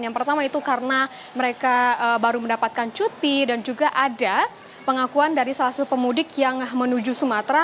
yang pertama itu karena mereka baru mendapatkan cuti dan juga ada pengakuan dari salah satu pemudik yang menuju sumatera